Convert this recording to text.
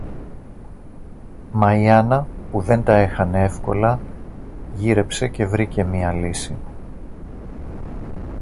Μα η Άννα, που δεν τα έχανε εύκολα, γύρεψε και βρήκε μια λύση.